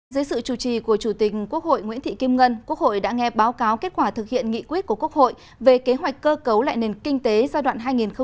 dưới sự chủ trì của chủ tịch quốc hội nguyễn thị kim ngân quốc hội đã nghe báo cáo kết quả thực hiện nghị quyết của quốc hội về kế hoạch cơ cấu lại nền kinh tế giai đoạn hai nghìn một mươi sáu hai nghìn hai mươi